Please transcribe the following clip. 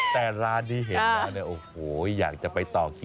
แต่ร้านที่เห็นแล้วอยากจะไปต่อคิวเลย